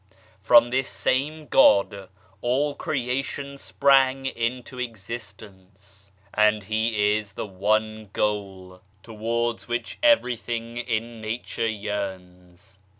From this same God all creation sprang into exist ence, and He is the one goal, towards which everything 46 BEAUTY IN DIVERSITY in Nature yearns.